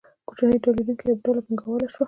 د کوچنیو تولیدونکو یوه ډله پانګواله شوه.